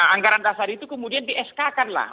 anggaran dasar itu kemudian di sk kan lah